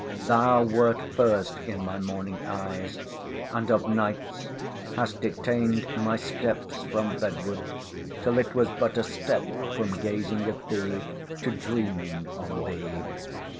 Thou wert first in my morning eyes; and of nights, hast detained my steps from bedward, till it was but a step from gazing at thee to dreaming on thee.